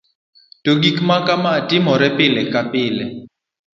to gik makama timore pile ka pile